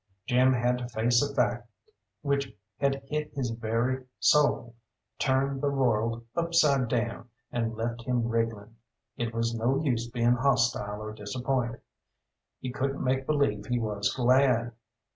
Jim had to face a fact which had hit his very soul, turned the world upside down, and left him wriggling. It was no use being hostile or disappointed; he couldn't make believe he was glad.